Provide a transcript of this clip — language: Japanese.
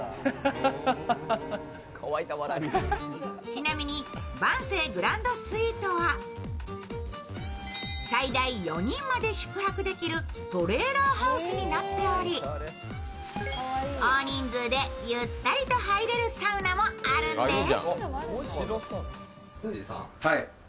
ちなみに晩成グランドスイートには最大４人まで宿泊できるトレーラーハウスになっており大人数でゆったりと入れるサウナもあるんです。